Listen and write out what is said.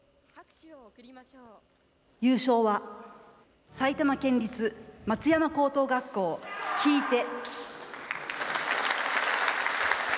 優勝は、埼玉県立松山高等学校「聞いて」。